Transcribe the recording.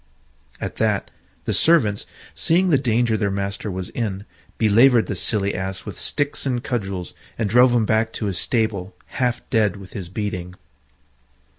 At that the servants, seeing the danger their master was in, belaboured the silly Ass with sticks and cudgels, and drove him back to his stable half dead with his beating.